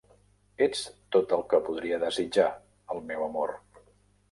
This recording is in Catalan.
Ets tot el que podria desitjar, el meu amor.